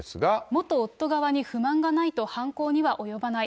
元夫側に不満がないと犯行には及ばない。